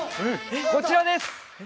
こちらです！